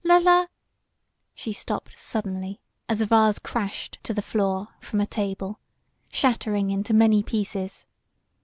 La la!" She stopped suddenly as a vase crashed to the floor from a table, shattering into many pieces.